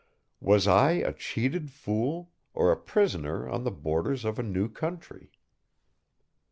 Was I a cheated fool, or a pioneer on the borders of a new country?